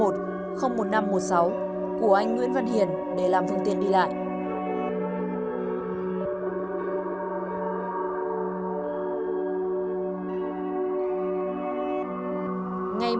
của anh nguyễn văn hiền để làm phương tiện đi lại